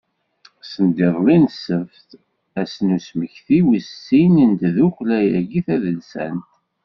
Sendiḍelli n ssebt, ass n usmekti wis sin n tiddukkla-agi tadelsant.